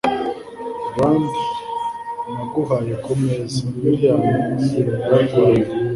rand naguhaye kumeza . william yararwanye